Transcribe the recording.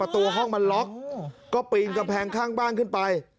แต่ประตูห้องมันล็อคก็ปรีงกำแพงข้างบ้านขึ้นไป